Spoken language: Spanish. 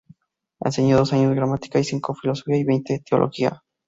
Enseñó dos años gramática, cinco filosofía y veinte teología.